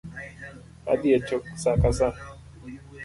Adhi echo sa ka sa